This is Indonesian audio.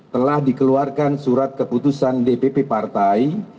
telah dikeluarkan surat keputusan dpp partai